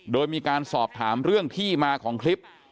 โดยมีการสอบถามเรื่องที่มาของคลิป